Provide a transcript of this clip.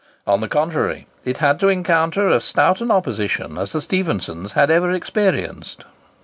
On the contrary, it had to encounter as stout an opposition as the Stephensons had ever experienced.